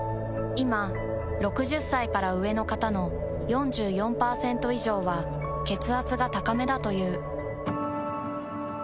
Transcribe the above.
いま６０歳から上の方の４４％以上は血圧が高めだという。